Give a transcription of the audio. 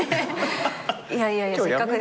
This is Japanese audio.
いやいやいやせっかくですから。